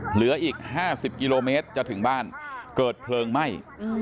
เหลืออีก๕๐กิโลเมตรจะถึงบ้านเกิดเพลิงไหม้